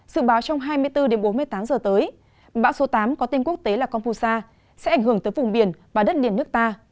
dự báo trong hai mươi bốn h đến bốn mươi tám h tới bão số tám có tên quốc tế là confusa sẽ ảnh hưởng tới vùng biển và đất liền nước ta